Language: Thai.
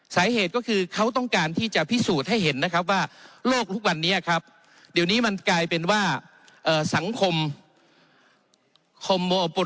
สาเหตุก็คือเขาต้องการที่จะพิสูจน์ให้เห็นนะครับว่าโลกทุกวันนี้ครับเดี๋ยวนี้มันกลายเป็นว่าสังคมคอมโมโอปุ